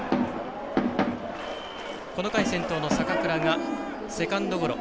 この回、先頭の坂倉がセカンドゴロ。